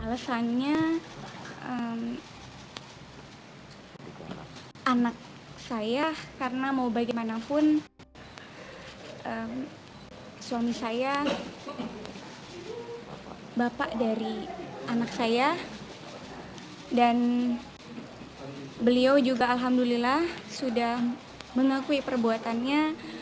alasannya anak saya karena mau bagaimanapun suami saya bapak dari anak saya dan beliau juga alhamdulillah sudah mengakui perbuatannya